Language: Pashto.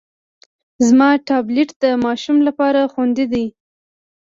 زما ټابلیټ د ماشوم لپاره خوندي دی.